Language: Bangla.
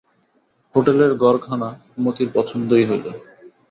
হোটেলের ঘরখানা মতির পছন্দই হইল।